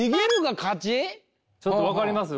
ちょっと分かります？